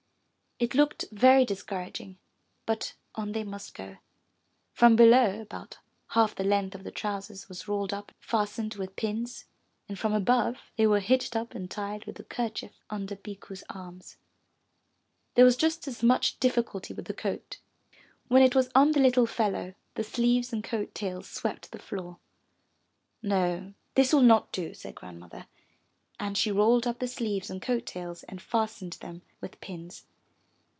It looked very discouraging but on they must go. From below about half the length of the trousers was rolled up and fastened with pins, and from above they were hitched up and tied with a kerchief under Bikku's arms. There was just as much difficulty with the coat. When it was on the little fellow, the sleeves and coat tails swept the floor. ''No, this will not do,'' said Grandmother, and she rolled up the sleeves and coat tails and fastened them with pins.